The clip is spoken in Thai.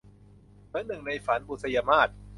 เหมือนหนึ่งในฝัน - บุษยมาส